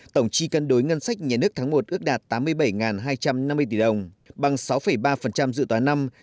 tổng chi cân đối ngân sách nhà nước tháng một ước đạt tám mươi bảy hai trăm năm mươi tỷ đồng bằng sáu ba dự toán năm